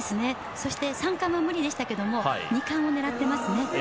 そして、３冠は無理でしたけども２冠を狙ってますね。